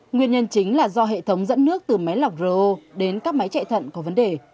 nguyên nhân chính là do hệ thống dẫn nước từ máy lọc ro đến các máy chạy thận có vấn đề